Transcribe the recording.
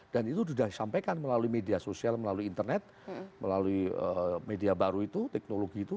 dan itu sudah disampaikan melalui media sosial melalui internet melalui media baru itu teknologi itu